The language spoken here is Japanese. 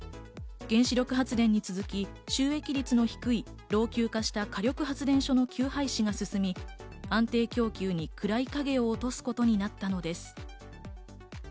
原子力発電に続き、収益率の低い、老朽化した火力発電所の休廃止が進み、安定供給に暗い影を落とすことになったのです。